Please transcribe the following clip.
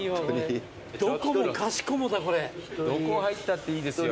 どこ入ったっていいですよ。